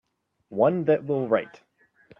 One that will write.